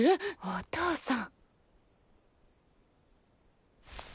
お父さん。